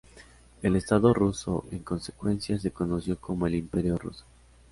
El estado ruso, en consecuencia, se conoció como el Imperio ruso.